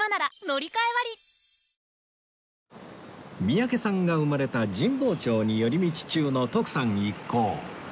三宅さんが生まれた神保町に寄り道中の徳さん一行